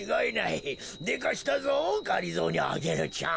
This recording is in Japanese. でかしたぞがりぞーにアゲルちゃん。